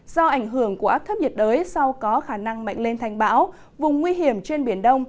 do ảnh hưởng của áp thấp nhiệt đới sau có khả năng mạnh lên thành bão vùng nguy hiểm trên biển đông